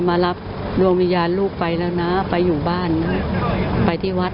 มาเลือกวิญญาณลูกชายกลับบ้านเนี่ยก็จะไปที่วัด